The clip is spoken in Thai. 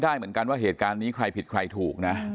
แต่พอเห็นว่าเหตุการณ์มันเริ่มเข้าไปห้ามทั้งคู่ให้แยกออกจากกัน